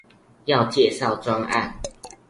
要介紹專案